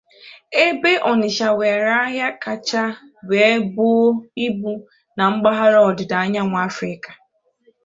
ebe Ọnịtsha nwere ahịa kacha wee buo ibu na mpaghara ọdịda anyanwụ Afrịka.